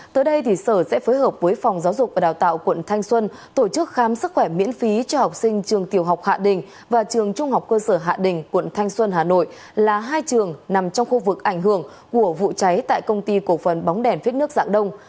tới đây thì sở sẽ phối hợp với phòng giáo dục và đào tạo quận thanh xuân tổ chức khám sức khỏe miễn phí cho học sinh trường tiểu học hạ đình và trường trung học cơ sở hạ đình quận thanh xuân hà nội là hai trường nằm trong khu vực ảnh hưởng của vụ cháy tại công ty cổ phần bóng đèn phích nước dạng đông